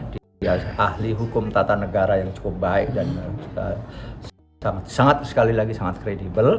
dia ahli hukum tata negara yang cukup baik dan sangat sekali lagi sangat kredibel